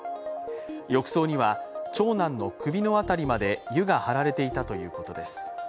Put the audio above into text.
浴槽には、長男の首の辺りまで湯が張られていたということです。